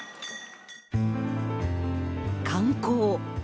観光。